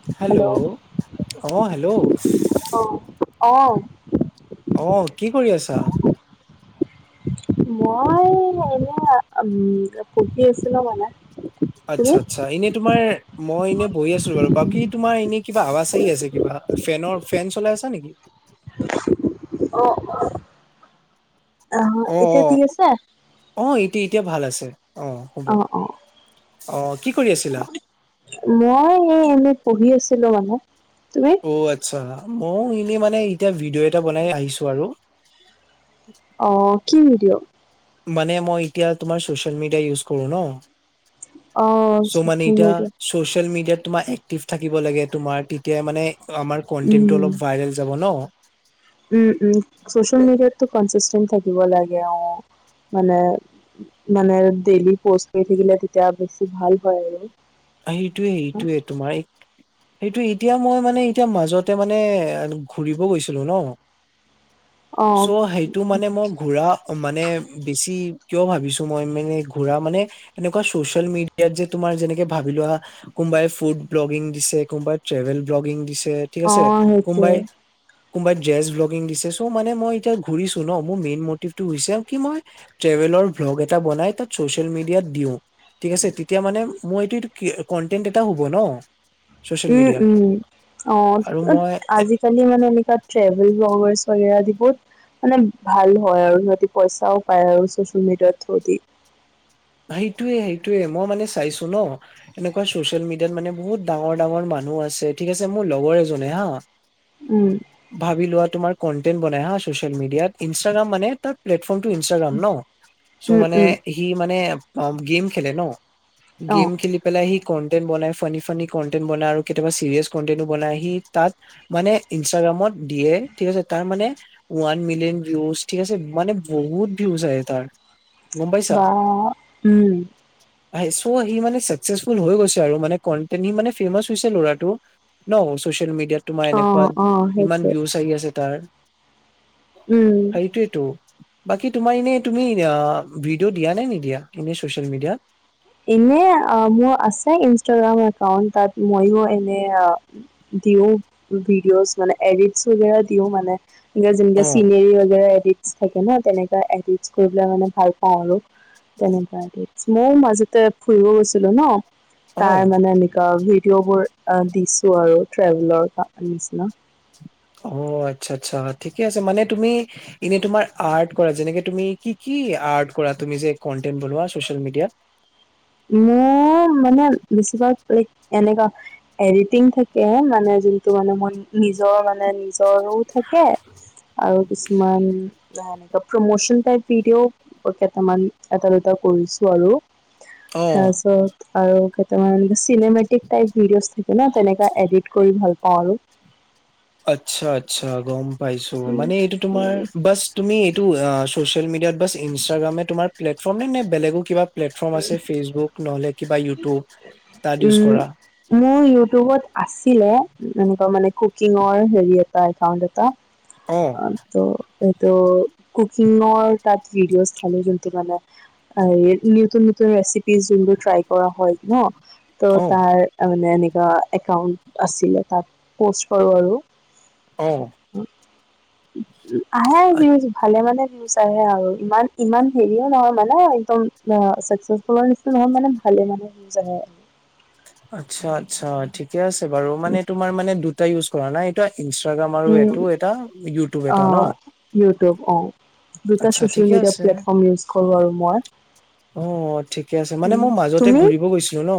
Hello অ hello অঁ অঁ অ' কি কৰি আছা? মই এনে উ পঢ়ি আছিলো মানে তুমি আচ্ছা আচ্ছা এনে তোমাৰ মই এনেই বহি আছো বাৰু বাকী তোমাৰ এনে কিবা আৱাজ আহি আছে কিবা ফেনৰ ফেন চলাই আছা নেকি অ' অ' আ অ এতিয়া অ ঠিক আছে অ এতিয়া এতিয়া ভাল আছে অ হ'ব অ কি কৰি আছিলা? মই এই এনে পঢ়ি আছিলো মানে তুমি অ আচ্ছা মইয়ো এনেই মানে এতিয়া ভিডিঅ' এটা বনাই আহিছো আৰু অ কি ভিডিঅ মানে মই এতিয়া তোমাৰ চচিয়েল মিডিয়া ইউজ কৰো ন অ চ' মানে চচিয়েল এতিয়া মিডিয়া চচিয়েল মিডিয়াত তোমাৰ এক্টিভ থাকিব লাগে তোমাৰ তেতিয়া মানে আমাৰ কন্টেন্টটো উম অলপ ভাইৰেল যাব ন উম উম চচিয়েল মিডিয়াতটো কনচিচণ্টেত থাকিব লাগে অ মানে মানে ডেইলি পষ্ট কৰি থাকিলে তেতিয়া বেছি ভাল হয় আৰু সেইটোৱে এইটোৱে তোমাৰ এক সেইটোৱে এতিয়া মই মানে এতিয়া মাজতে মানে ঘূৰিব গৈছিলো ন অ চ' সেইটো মানে মই ঘূৰা মানে বেছি কিয় ভাবিছোঁ মই মানে ঘূৰা মানে এনেকুৱা ছচিয়েল মিডিয়াত যে তোমাৰ যেনেকে ভাবি লোৱা, কোনোবাই ফুড ব্লগিং দিছে, কোনোবাই ট্ৰেভেল ব্লগিং দিছে ঠিক অ আছে, সেইটোৱে কোনবাই কোনোবাই ডেজ ব্লগিং দিছে, চ' মানে মই এতিয়া ঘূৰিছো ন, মোৰ মেইন মটিভটো হৈছে কি মই ট্ৰেভেলৰ ভ্লগ এটা বনাই তাত চছিয়েল মেডিয়াট দিও, থিক আছে, তেতিয়া মানে মই কন্টেণ্ট এটাও হ'ব ন। চচিয়েল উম মিডিয়াত উম, অ', আৰু মই আজি কালি মানে এনেকোৱা ট্ৰেভেল ভ্লগাচৰ বেগেৰা যিবোৰ মানে ভাল হয় আৰু সিহঁতি পইচাও পায় আৰু ছচিয়েল মিডিয়াত থ্ৰদি। সেইটোৱে সেইটোৱে মই মানে চাইছো ন। এনেকুৱা ছচিয়েল মিডিয়াত মানে বহুত ডাঙৰ ডাঙৰ মানুহ আছে, ঠিক আছে মোৰ লগৰ এজনে হা। উম। ভাবি লোৱা তোমাৰ কণ্টেন্ট বনাই হা ছ'চিয়েল মিডিয়াত, ইনষ্টাগ্ৰাম মানে তাৰ প্লেটফৰ্মটো ইনষ্টাগ্ৰাম ন, চ' উম, মানে উম, সি মানে অঁ, গেম খেলে ন, অ', গেম খেলি পেলাই সি কনটেন্ট বনাই ফানী ফানী কনটেন্ট বনাই, আৰু কেতিয়াবা চিৰিয়াছ কনটেন্ট বনাই, সি তাত মানে ইনষ্টাগ্ৰামত দিয়ে, ঠিক আছে, তাৰ মানে ওৱান মিলিয়ন ভিউজ ঠিক আছে, মানে বহুত ভিউজ আহে তাৰ। গম পাইছা বা উম। আহ, চৌ সি মানে চাকচেচফুল হৈ গৈছে আৰু, মানে কণ্টেন্ত সি মানে ফেমাচ হৈছে ল'ৰাটো। ন ছচিয়েল মিডিয়াত তোমাৰ অ', এনেকুৱাত অ', ইমান সেইটোৱে। ভিউজ আহি আছে তাৰ। উম। সেইটোৱেটো, বাকী তোমাৰ এনেই তুমি অঁ ভিডিঅ' দিয়া নে নিদিয়া এনে চচিয়েল মিডিয়াত? ইনে মোৰ আছে ইনষ্টাগ্ৰাম একাউন্ট, তাত ময়ো এনেই আও দিওঁ, ভিডিঅ'ছ মানে এডিটছ বেগেৰা দিওঁ মানে। যেনেকৈ অ', চিনেৰি বেগেৰা এডিট চ থাকে ন তেনেকোৱা এডিটচ মানে কৰি পেলাই ভাল পাওঁ আৰু, তেনেকোৱা এডিটচ ময়ো মাজে তে ফুৰিব গৈছিলো ন, তাৰ অ', মানে এনেকুৱা ভিডিঅ' বোৰ দিছো আৰু ট্ৰেভেলৰ নিচিনা। অঁ, আচ্ছা আচ্ছা ঠিকে আছে, মানে তুমি এনেই তোমাৰ আৰ্ট কৰা, যেনেকে তুমি কি কি আৰ্ট কৰা তুমি যে কনটেন্ট বনোৱা ছচিয়েল মিডিয়াত? মই মানে বেছিভাগ লাইক এনেকুৱা এডিটিং থাকে, মানে যোনটো মানে মই নিজৰ মানে নিজ জৰো থাকে আৰু কিছুমান প্ৰমোচন টাইপ ভিডিঅও কেইটামান এটা দুটা কৰিছো আৰু। অ'। তাৰ পিছত আৰু তোমাৰ চিনেমেটিক টাইপ ভিডিঅচ থাকে ন, তেনেকা এডিট কৰি ভাল পাওঁ আৰু। আচ্ছা আচ্ছা, গম পাইছো মানে এইটো তোমাৰ বাছ তুমি এইটো অঁ ছচিয়েল মিডিয়াত বা ইনষ্টাগ্ৰামে তোমাৰ প্লেটফৰ্ম নে নে বেলেগো কিবা প্লেটফৰ্ম আছে ফেচবুক ন'হলে কিবা ইউটিউব তাত ইউজ উম, কৰা? মোৰ ইউটিউবত আছিলে, এনেকুৱা মানে কুকিঙৰ হেৰি এটা একাউণ্ট এটা। অ', অঁ তু এইটো কুকিংৰ তাত ভিডিঅছ ধালোঁ যোনটো মানে। আৰু নতুন নতুন ৰেচিপি যোনবোৰ ট্ৰাই কৰা হয় ন, ত' অ', তাৰ তা মানে এনেকুৱা একাউণ্ট আছিলে, তাত প'ষ্ট কৰো আৰু। অঁ। আ [inaudible] ভালে মানে ভিউজ আহে আৰু, ইমান ইমান হেৰিও নহয়, মানে একদম আঁ চাকচেচফুলৰ নিচিনা। নহয় মানে ভালে মানে ভিউজ আহে। আচ্ছা আচ্ছা ঠিকে আছে বাৰু মানে তোমাৰ মানে দুটাই ইউজ কৰা নাই এইটা ইনষ্টাগ্ৰাম আৰু উম এইটো এটা ইউটিউব অ এটা ন? ইউটিউব অঁ দুটা আচ্ছা ছচিয়েল ঠিকে মিডিয়া আছে। প্লেটফৰ্ম ইউজ কৰোঁ আৰু মই। অঁ ঠিকে আছে, মানে উম মই মাজতে তুমি ঘূৰিব গৈছিলো ন।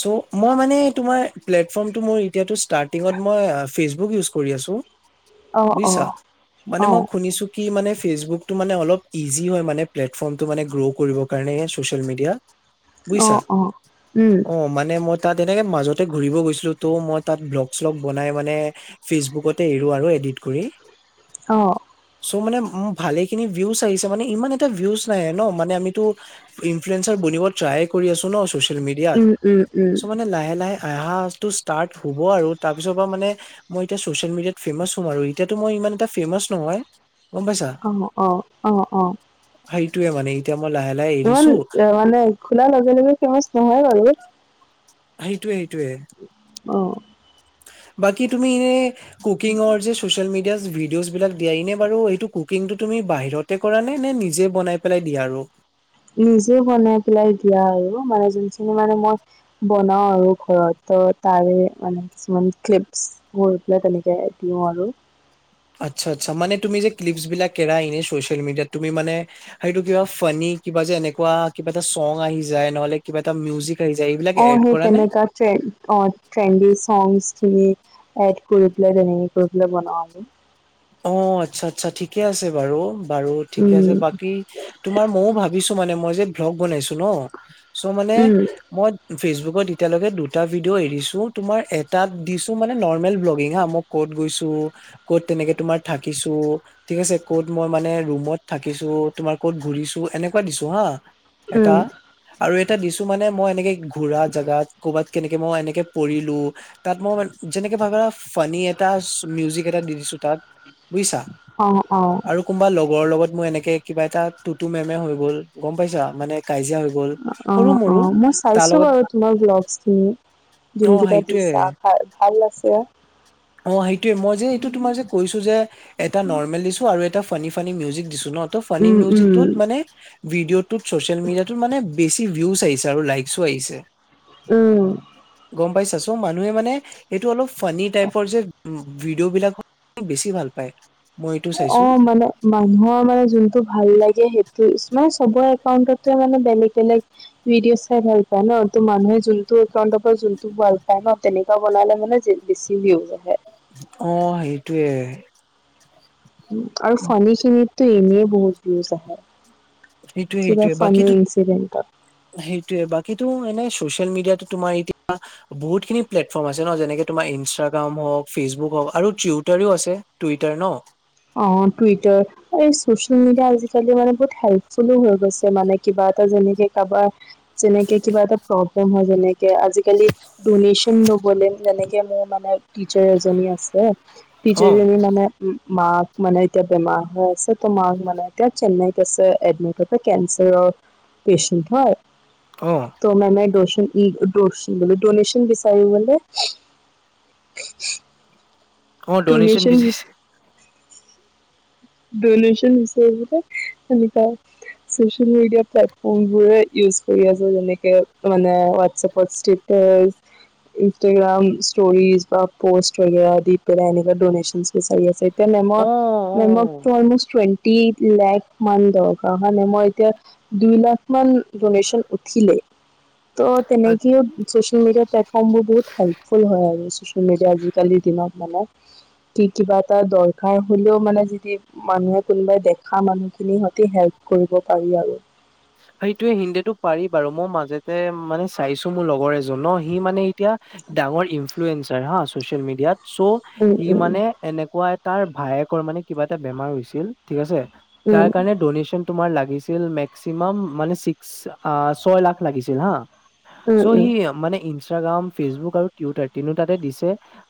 চ মই মানে তোমাৰ প্লেটফৰ্ম টো মোৰ এতিয়াটো ষ্টাৰ্টিংত মই আ ফেচবুক ইউজ কৰি আছো অ অ বুজিছা মানে অ মই শুনিছোঁ কি মানে ফেচবুকটো মানে অলপ ইজি হয় মানে প্লেটফৰ্মটো মানে গ্ৰো কৰিব কাৰণে ছ'চিয়েল মিডিয়াত অ বুজিছা অ উম অ মানে মই তাত এনেকে মাজতে ঘূৰিব গৈছিলো ত' মই তাত ব্লগ শ্লগ বনাই মানে ফেচবুকতে এৰো আৰু এডিট কৰি। অ চ' মানে ভালে খিনি ভিউজ আহিছে মানে ইমান এটা ভিউজ নাহে ন। মানে আমিটো ইনফ্লুৱেঞ্জাৰ বনিব ট্ৰাই কৰি আছো ন ছ'চিয়েল মিডিয়াত উম উম চ' মানে লাহে লাহে [unintelligible] ষ্টাৰ্ট হ'ব আৰু তাৰপিছৰ পৰা মানে মই এতিয়া ছ'চিয়েল মিডিয়াত ফেমাচ হম আৰু এতিয়াতো মই ইমান এটা ফেমাচ নহয়। গম অ অ অ অ। সেইটোৱে মানে এতিয়া মই লাহে লাহে ইমান এৰিছো এ মানে খোলা লগে লগে ফেমাচ নহয় বাৰু। সেইটোৱে সেইটোৱে। অহ। বাকি তুমি এনে কুকিংৰ যে ছ'চিয়েল মিডিয়াত ভিডিঅ'জ বিলাক দিয়া এনে বাৰু এইটো কুকিংটো তুমি বাহিৰতে কৰা নে নে নিজে বনাই পেলাই দিয়া আৰু নিজে বনাই পেলাই দিয়া আৰু মানে যোনখিনি মানে মই বনাও আৰু ঘৰত ত তাৰে মানে কিছুমান ক্লিপছ গৈ পেলাই তেনেকে দিওঁ আৰু। আচ্ছা আচ্ছা মানে তুমি যে ক্লিপছ বিলাক এৰা ইনে ছ'চিয়েল মিডিয়াত তুমি মানে সেইটো টো কিবা ফানি কিবা যে এনেকুৱা কিবা এটা চং আহি যায় নহ'লে কিবা এটা মিউজিক আহি যায় এইবিলাক এড কৰা নে? ট্ৰেণ্ড অ ট্ৰেণ্ডি চংছ [unintelligible] এড কৰি পেলাই তেনেকে কৰি পেলাই বনাও আমি। অ আচ্ছা আচ্ছা ঠিকে আছে বাৰু বাৰু ঠিকে আছে উম বাকী তোমাৰ ময়ও ভাবিছো মানে মই যে ব্লগ বনাইছো ন চ মানে উম মই ফেচবুকত এতিয়ালৈকে দুটা ভিডিঅ' এৰিছো তোমাৰ এটাত দিছো মানে নৰ্মেল ব্লগিং হা মোক ক'ত গৈছো, ক'ত তেনেকে তোমাৰ থাকিছো ঠিক আছে ক'ত মই মানে ৰুমত থাকিছো, তোমাৰ ক'ত ঘূৰিছো এনেকুৱা দিছো হা। এটা উম আৰু এটা দিছো মানে মই এনেকে ঘুৰা জাগাত কৰ'বাত কেনেকে মই এনেকে পৰিলো তাত মই যেনেকে ভাবা ফানী এটা মিউজিক এটা দি দিছো তাত বুজিছা। অ অ। আৰু কোনোবা লগৰ লগত মোৰ এনেকে কিবা এটা টুটু মেমে এ হৈ গ'ল গম পাইছা মানে কাজিয়া হৈ গ'ল অ সৰু অ মৰু মই তাৰ চাইছো লগত বাৰু তোমাৰ ব্লগছ খিনি অ যোনকেইটা সেইটোয়ে দিছা ফাৰ্ষ্ট ভাল লাগিছে। অ সেইটোয়ে মই যে এইটো তোমাৰ যে কৈছো যে এটা নৰ্মেল দিছোঁ আৰু এটা ফানী ফানী মিউজিক দিছো ন ত ফানী উম উম মিউজিকটোত মানে ভিডিঅ'টোত ছ'চিয়েল মিডিয়াটোত মানে বেছি ভিউজ আহিছে আৰু লাইকচো আহিছে। উম। গম পাইছ চ মানুহে মানে সেইটো অলপ ফানি টাইপ তৰ যে উ ভিডিঅ' বিলাক বেছি ভাল পায় মই এইটো চাইছো অ' মানে মানুহৰ মানে জোনটো ভাল লাগে সেইটোৱে ইউজ মানে চবৰ একাউণ্টতে মানে বেলেগ বেলেগ ভিডিঅ' চাই ভাল পোৱা ন ত' মানুহে জোনটো [unintelligible] পায় ন তেনেকুৱা বনালে মানে বেছি [unintelligible] অ' সেইটোৱে আৰু চানী চনীতো এনে বহুত ভিউজ আহে সেইটোয়ে কিবা [unintelligible] সেইটোৱে বাকীতো এনে চচিয়েল মিডিয়াটো তোমাৰ এতিয়া বহুতখিনি প্লেটফৰ্ম আছে ন যেনেকে তোমাৰ ইনষ্টাগ্ৰাম হওক ফেচবুক হওক আৰু টুইটাৰও আছে টুইটাৰ ন অ' টুইটাৰ এই চচিয়েল মিডিয়া আজিকালি মানে বহুত হেল্পফুলো হৈ গৈছে মানে কিবা এটা যেনেকে কাৰবাৰ যেনেকে কিবা এটা প্ৰব্লেম হয় যেনেকে আজিকালি উনৈছ [unintelligible] নগ'লে যেনেকে মোৰ মানে টিচাৰ এজনী আছে। অ টিচাৰজনী মানে মাক মানে এতিয়া বেমাৰ হৈ আছে ত' মাক মানে এতিয়া চেন্নাইত আছে এডমিট তাতে কেঞ্চাৰৰ পেচেণ্ট হয়। অ' মানে [unintelligible] ডনেচন বিচাৰিবলে [inaudible] অ' ড'নেশ্যন বিচাৰিছে ড'নেচন বিচাৰিবলৈ এনেকাই চ'চিয়েল মিডিয়া প্লেটফৰ্ম বোৰ ইউজ কৰি আছে যেনেকে মানে হোৱাটছএপত ষ্টৈট টাছ ইষ্টাগ্ৰাম, ষ্টৰিজ বা পোষ্ট বাগেৰা আদিৰ পৰা‌ এনেকা ড'নেচন বিচাৰি আছে। এ অ মেমক অ মেমক অল্ম'ষ্ট টুৱেন্টি লেখ মান দৰকাৰ হয় মেমৰ এতিয়া দুই লাখ মান ড'নেচন উঠিলেই। ত' তেনেকেও চ'চিয়েল মিডিয়াৰ প্লেটফৰ্ম বোৰ বহুত হেল্পফুল হয় আৰু ছ'চিয়েল মিডিয়া আজিকালিৰ দিনত মানে কি কিবা এটা দৰকাৰ হ'লেও মানে যদি মানুহে কোনোবাই দেখা মানুহখিনিৰ সতে হেল্প কৰিব পাৰি আৰু। সেইটোৱে হিন্দীেটো পাৰি বাৰু মই মাজতে মানে চাইছো মোৰ লগৰ এজনৰ সি মানে এতিয়া ডাঙৰ ইন্ফ্লুৱেঞ্চাৰ হা চ'চিয়েল মেডিয়াত চ' উম সি উম মানে এনেকুৱা এ তাৰ ভায়েকৰ মানে কিবা এটা বেমাৰ হৈছিল ঠিক আছে। উম তাৰ কাৰণে ড'নেচন তোমাৰ লাগিছিল মেক চিমাম মানে ছিক্স আ ছয় লাখ লাগিছিল হাঁ। চ' উম সি মানে ইনষ্টাগ্ৰাম, ফেচবুক আৰু টুইটাৰ তিনিও তাতে দিছে।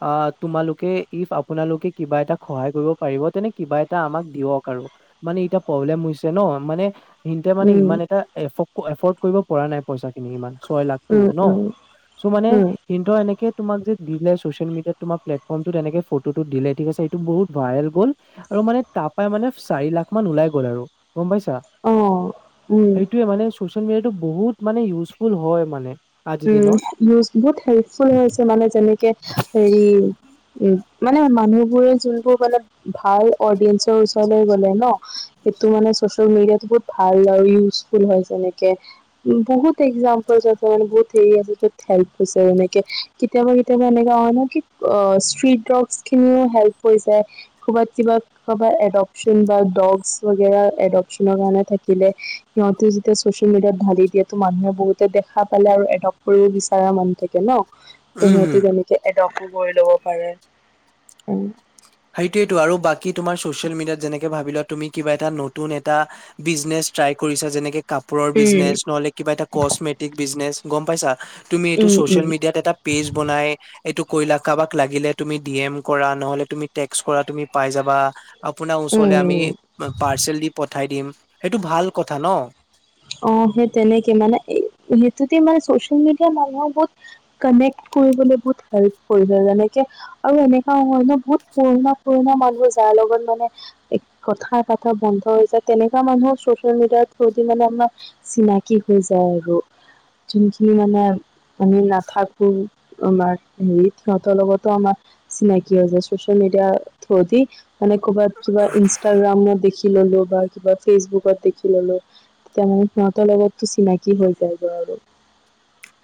আ তোমালোকে ইফ আপোনালোকে কিবা এটাক সহায় কৰিব পাৰিব তেনে কিবা এটা আমাক দিয়ক আৰু। মানে এতিয়া প্ৰব্লেম হৈছে ন মানে সিহিতেঁ মানে উম ইমান এটা এফৰ্ড এফৰ্ড কৰিব পৰা নাই। পইচাখিনি ইমান ছয় উম লাখটো উম ন উম চ' মানে উম কিন্তু এনেকে তোমাক যে দিলে চ'ছিৱেল মিডিয়াত তোমাৰ প্লেটফৰ্মমটোত এনেকে ফটোটো দিলে ঠিক আছে এইটো বহুত ভাইৰেল গ'ল। আৰু মানে তাৰ পৰাই মানে চাৰি লাখ মান ওলাই গ'ল আৰু গম পাইছা। অ' উম সেইটোৱে মানে চ'চিয়েল মিডিয়াটো বহুত মানে ইউজফুল হয় মানে। আজিৰ উম দিনত। ইউজ বহুত হেল্পফুল হৈছে মানে যেনেকে হেৰি উ মানে মানুহবোৰে জোনবোৰ মানে ভাল অডিয়েঞ্চ ত ওচৰলৈ গলে ন সেইটো মানে চ'ছিয়েল মিডিয়াটো বহুত ভাল আৰু ইজফুল হয় যেনেকে উ বহুত এক্সাম্পল আছে বহুত বহুত হেল্প হৈছে এনেকে কেতিয়াবা কেতিয়াবা এনেকা আহে ন' কি ইষ্টি ড্ৰক খিনিও হেল্প কৰিছে ক'ৰবাত কিবা ক'ৰবাত এডক্সন বা ডক্স এডপচনৰ কাৰণে থাকিলে সিহঁতে যেতিয়া ছচিয়েল মিডিয়াত ঢালি দিয়ে ত মানুহে বহুতে দেখা পালে আৰু লগ কৰিব বিচৰা মানুহ থাকে ন' ত উম, হম। সিহঁতে তেনেকে এডপ্টো কৰি ল'ব পাৰে উম। সেইটোয়টো আৰু বাকী তোমাৰ ছ'চিয়েল মিডিয়াত যেনেকে ভাবি লোৱা তুমি কিবা এটা নতুন এটা বিজনেছ ট্ৰাই কৰিছা যেনেকে কাপোৰৰ বিজনেছ নহ'লে কিবা এটা কচমেটিক বিজনেচ গ'ম পাইছা তুমি এইটো উম চচিয়েল উম মিডিয়াত এটা পেজ বনাই এইটো কৰিলা কাৰবাক লাগিলে তুমি ডিএম কৰা নহলে তুমি টেক্স কৰা তুমি পাই যাবা আপোনাৰ ওচৰলৈ আমি উম পাৰ্চেল দি পঠাই দিম। সেইটো ভাল কথা ন'। অ' সেই তেনেকে মানে সেইটোতে মানে ছ'চিয়েল মিডিয়া মানুহৰ বহুত কানেক্ট কৰিবলৈ বহুত হেল্প কৰিছে যেনেকে আৰু এনেকুৱা নহয় ন' বহুত পুৰণা পুৰণা মানুহ যাৰ লগত মানে কথা পতা বন্ধ হৈ যায় তেনেকুৱা মানুহৰ চচিয়েল মিডিয়াৰ থ্ৰ ত' মানে আমাৰ চিনাকি হৈ যায় আৰু যোনখিনি মানে আমি নাথাকো আমাৰ হেৰি সিহঁতৰ লগতো আমাৰ চিনাকি হৈ যায় চচিয়েল মিডিয়া থ্ৰয়েদি। মানে ক'ৰবাত কিবা ইনষ্টাগ্ৰামত দেখি ললোঁ বা কিবা ফেচবুকত দেখি ললোঁ তেতিয়া সিহঁতৰ লগত তো চিনাকি হয় যায়গৈ আৰু।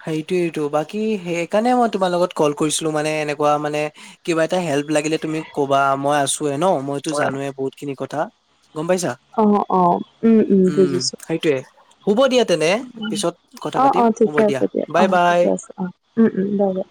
সেইটোয়েইটো বাকী সেইকাৰণে মই তোমাৰ লগত কল কৰিছিলোঁ মানে এনেকুৱা মানে কিবা এটা হেল্প লাগিলে তুমি ক'বা মই আছো। আছোই ন' মইতো জানোৱে বহুত খিনি কথা গ'ম পাইছা। অঁ অঁ উম, বুজিছোঁ সেইটোয়ে শুব দিয়া তেনে পিছত কথা পাতিম হ'ব দিয়া। বাই অ' বাই। থিকে আছে অ' উম, উম, বাই বাই।